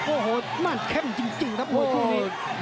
โอ้โหน่าเข้มจริงครับมวยคู่นี้